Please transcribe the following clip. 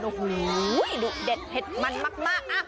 โอ้โหดุเด็ดเผ็ดมันมาก